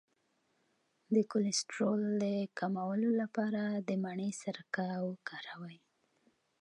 د کولیسټرول د کمولو لپاره د مڼې سرکه وکاروئ